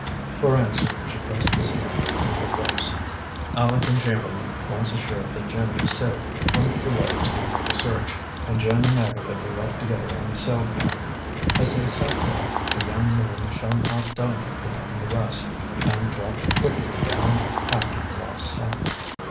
For answer she pressed his hand to her lips. Aleck and Chamberlain, once assured that Jim was safe, went below to make a search, and Jim and Agatha were left together on the sail cloth. As they sat there, a young moon shone out delicately in the west, and dropped quickly down after the lost sun.